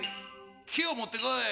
きをもってこい！